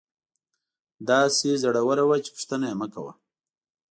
داسې زړوره وه چې پوښتنه یې مکوه.